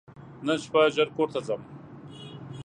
نن شپه ژر کور ته ځم !